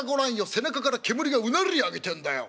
背中から煙がうなり上げてんだよ。